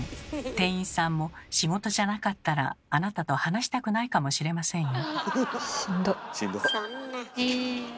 店員さんも仕事じゃなかったらあなたと話したくないかもしれませんよ。